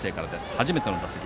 初めての打席。